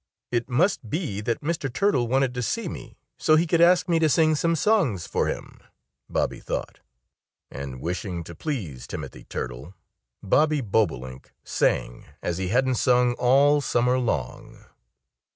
"It must be that Mr. Turtle wanted to see me so he could ask me to sing some songs for him," Bobby thought. And wishing to please Timothy Turtle, Bobby Bobolink sang as he hadn't sung all summer long.